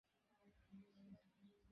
সাজিদুর রহমান, ছাত্র।